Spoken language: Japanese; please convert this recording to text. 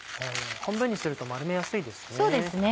半分にすると丸めやすいですね。